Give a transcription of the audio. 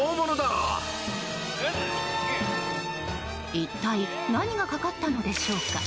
一体何がかかったのでしょうか。